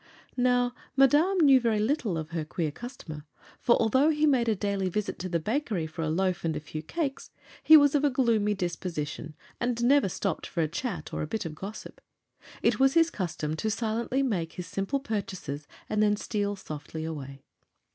Now, Madame knew very little of her queer customer; for although he made a daily visit to the bakery for a loaf and a few cakes, he was of a gloomy disposition, and never stopped for a chat or a bit of gossip. It was his custom to silently make his simple purchases and then steal softly away.